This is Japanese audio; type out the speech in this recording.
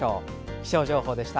気象情報でした。